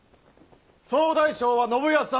総大将は信康様